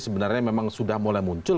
sebenarnya memang sudah mulai muncul